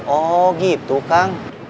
oh gitu kang